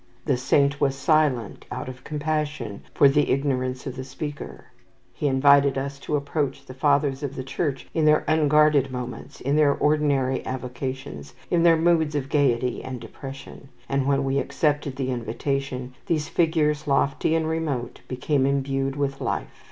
"The saint was silent out of compassion for the ignorance of the speaker." He invited us to approach the Fathers of the Church in their unguarded moments, in their ordinary avocations, in their moods of gayety and depression; and, when we accepted the invitation, these figures, lofty and remote, became imbued with life.